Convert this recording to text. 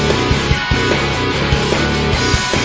ดีดีดี